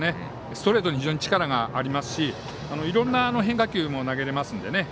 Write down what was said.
ストレートに非常に力がありいろんな変化球も投げれますんで。